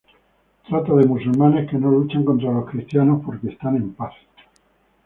Trata de musulmanes que no luchan contra los cristianos, porque están en paz.